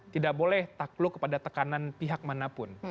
tidak boleh takluk kepada tekanan pihak manapun